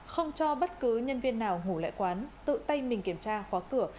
không cho bất cứ nhân viên nào ngủ lại quán tự tay mình kiểm tra khóa cửa